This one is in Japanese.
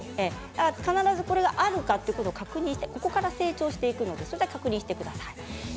必ずこれがあるかどうか確認してここから成長していくのでそれだけ確認してください。